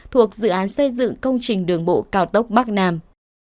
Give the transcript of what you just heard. thuộc dự án xây dựng công trình đường bộ cao tốc bắc nam